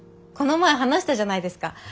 この前話したじゃないですか。